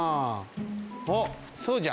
おっそうじゃ。